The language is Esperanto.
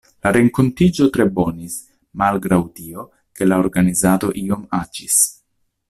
La renkontiĝo tre bonis, malgraŭ tio ke la organizado iom aĉis.